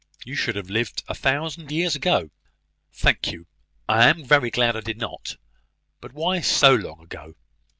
You should have lived a thousand years ago." "Thank you: I am very glad I did not. But why so long ago?